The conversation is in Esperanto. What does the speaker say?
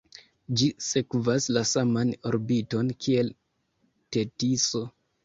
Ĝi sekvas la saman orbiton kiel Tetiso.